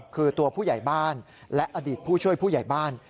คือตัวผู้ใหญ่บ้านและอดีตผู้ช่วยผู้ใหญ่บ้าน